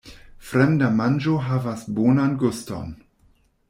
Fremda manĝo havas bonan guston.